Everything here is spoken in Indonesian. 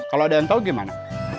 kalau ada yang tahu gimana